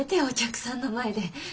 お客さんの前で。